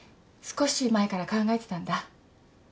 少し前から考えてたんだ。